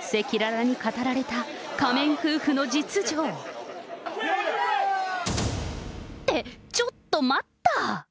赤裸々に語られた仮面夫婦の実情。って、ちょっと待った。